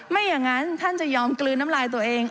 ไม่อย่างนั้นท่านจะยอมกลืนน้ำลายตัวเอง